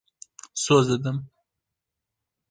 Soz didim.